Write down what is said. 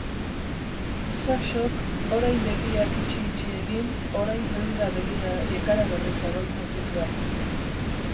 Saxok, orain begiak itxi-itxi egin, orain zerura begira ikaragarri zabaltzen zituen.